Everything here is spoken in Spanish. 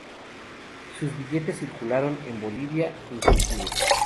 Sus billetes circularon en Bolivia inclusive.